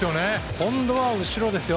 今度は後ろですよ。